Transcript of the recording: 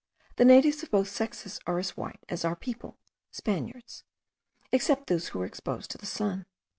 (The natives of both sexes are as white as our people [Spaniards], except those who are exposed to the sun.)